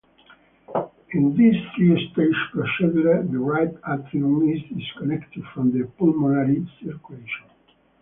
In this three-stage procedure, the right atrium is disconnected from the pulmonary circulation.